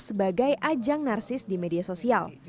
sebagai ajang narsis di media sosial